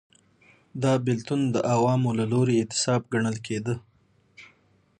دا بېلتون د عوامو له لوري اعتصاب ګڼل کېده.